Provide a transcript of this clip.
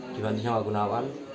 dibantu sama gunawan